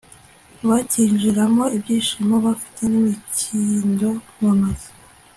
bacyinjiranamo ibyishimo bafite n'imikindo mu ntoki